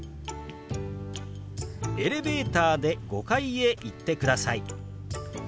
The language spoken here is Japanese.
「エレベーターで５階へ行ってください」。